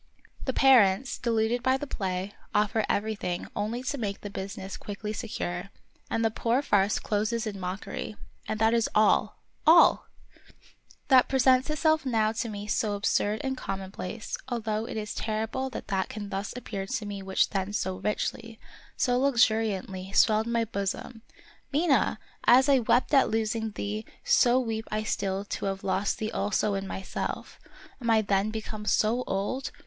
The parents, deluded by the play, offer everything only to make the business quickly secure ; and the poor farce closes in mockery. And that is all, all ! That presents itself now to me so absurd and commonplace, although it is terrible that that can thus appear to me which then so richly, so luxuriantly, swelled my bosom. Mina ! as I wept at losing thee, so weep I still to have lost thee also in myself. Am I then become so old?